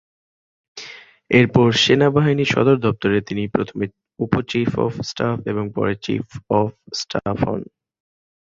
এরপর সেনাবাহিনী সদর দপ্তরে তিনি প্রথমে উপ চীফ অব স্টাফ এবং পরে চীফ অব স্টাফ হন।